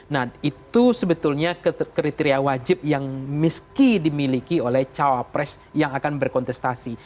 nah itu sebetulnya kriteria wajib yang misky dimiliki oleh cawapres yang akan berkontestasi